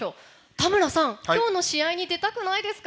田村さん、今日の試合に出たくないですか？